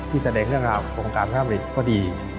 ที่แสดงเรื่องของการพระธรรมฤทธิ์ก็ดี